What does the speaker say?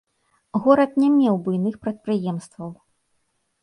Горад не меў буйных прадпрыемстваў.